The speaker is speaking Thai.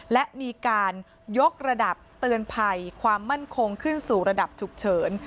และมีการยกระดับเตือนภัยความมั่นคงขึ้นสู่ระดับฉุกเฉิน